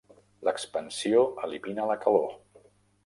L'expansió elimina la calor.